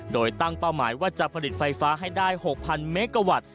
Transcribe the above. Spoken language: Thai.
โดยตั้งเป้าหมายว่าจะผลิตไฟฟ้าให้ได้๖๐๐เมกาวัตต์